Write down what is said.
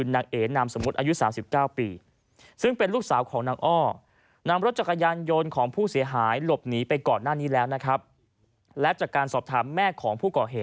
นางเอนสมมุติอายุ๓๙ปีเป็นลูกสาวของนางอ